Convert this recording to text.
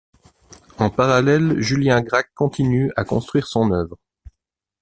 En parallèle, Julien Gracq continue à construire son œuvre.